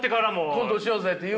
コントしようぜって。